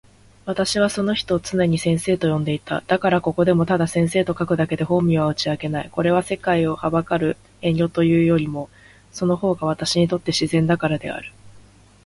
私はその人を常に先生と呼んでいた。だから、ここでもただ先生と書くだけで、本名は打ち明けない。これは、世界を憚る遠慮というよりも、その方が私にとって自然だからである。